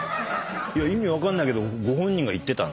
意味分かんないけどご本人が言ってたんで。